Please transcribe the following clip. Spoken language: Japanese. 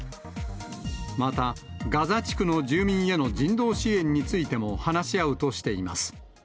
また、ガザ地区の住民への人道支援についても話し合うとしています。